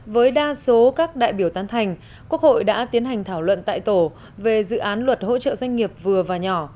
với đa số các đại biểu tán thành quốc hội đã tiến hành thảo luận tại tổ về dự án luật hỗ trợ doanh nghiệp vừa và nhỏ